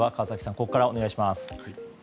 ここからお願いします。